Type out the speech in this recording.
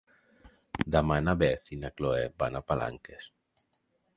Demà na Beth i na Chloé van a Palanques.